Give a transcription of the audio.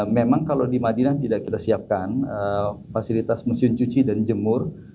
memang kalau di madinah tidak kita siapkan fasilitas mesin cuci dan jemur